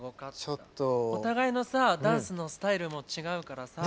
お互いのダンスのスタイルも違うからさ